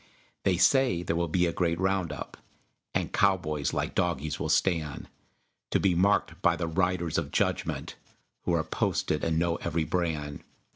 They say there will be a great round up, And cowboys, like dogies, will stand, To be marked by the Riders of Judgment Who are posted and know every brand.